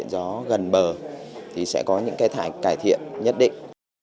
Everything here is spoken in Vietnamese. gió gần bờ thì sẽ có những cái thải cải thiện nhất định